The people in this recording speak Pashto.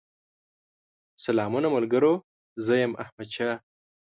سلامونه ملګرو! زه يم احمدشاه